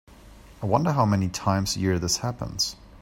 I wonder how many times a year this happens.